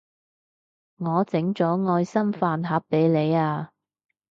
我整咗愛心飯盒畀你啊